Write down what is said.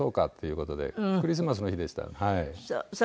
クリスマスの日でしたはい。